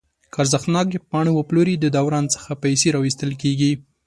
که ارزښتناکې پاڼې وپلوري د دوران څخه پیسې راویستل کیږي.